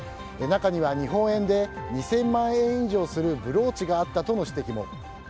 中では日本円で２０００万円以上するブローチがあったとの指摘も。